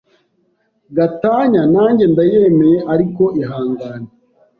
gatanya nanjye ndayemeye ariko ihangane